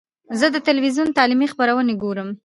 زه د ټلویزیون تعلیمي خپرونې ګورم.